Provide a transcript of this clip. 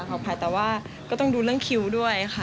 ขอขอบคุณผู้ใหญ่แต่ว่าก็ต้องดูเรื่องคิวด้วยค่ะ